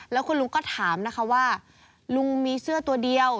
แล้วคุณลุงก็ถามนะคะว่าลุงมีเสื้อตัวเดียว